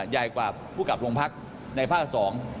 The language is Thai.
ใหญ่กว่าผู้กลับโรงพักในภาคสอง